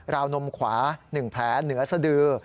วนมขวา๑แผลเหนือสดือ